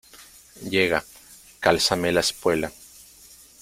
llega, cálzame la espuela.